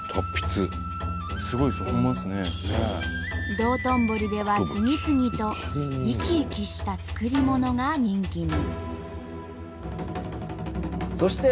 道頓堀では次々と生き生きした作り物が人気に。